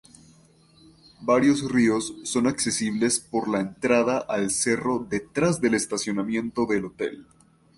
Varios ríos son accesibles por la entrada al cerro detrás del estacionamiento del hotel.